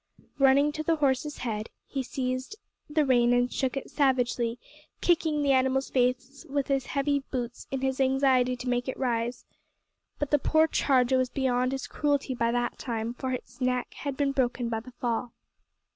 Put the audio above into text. Running to the horse's head he seized the rein and shook it savagely, kicking the animal's face with his heavy boots in his anxiety to make it rise, but the poor charger was beyond his cruelty by that time, for its neck had been broken by the fall.